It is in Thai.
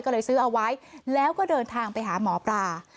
ก็เลยซื้อเอาไว้แล้วก็เดินทางไปหาหมอปลา